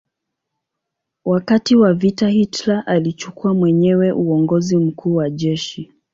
Wakati wa vita Hitler alichukua mwenyewe uongozi mkuu wa jeshi.